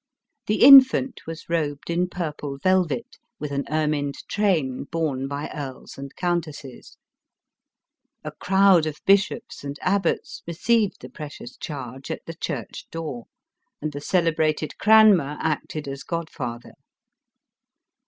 The infant was robed in purple velvet, with an ermined ;train born by earls and countesses. A crowd of bish ops and abbots received the precious charge at the • church door, and the celebrated Cranmer acted as god father.